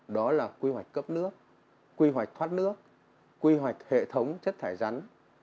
đó là quy hoạch cấp nước quy hoạch thoát nước quy hoạch hệ thống chất thải rắn